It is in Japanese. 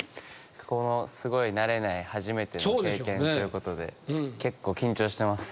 このすごい慣れない初めての経験ということで結構緊張してます。